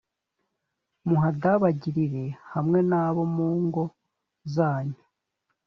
muhadabagirire hamwe n’abo mu ngo zanyu,